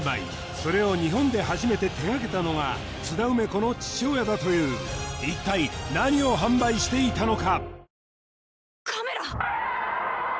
それを日本で初めて手掛けたのが津田梅子の父親だという一体何を販売していたのか？